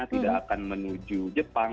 tidak akan menuju jepang